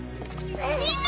みんな！